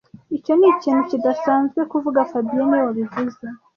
Icyo ni ikintu kidasanzwe kuvuga fabien niwe wabivuze